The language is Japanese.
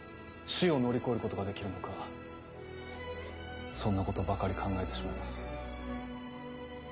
死を乗り越えることができるのかそんなことばかり考えてしまいます。